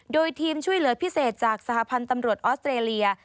โดยทีมช่วยเหลือพิเศษจากสหพันธ์ตำรวจออสเตรเลีย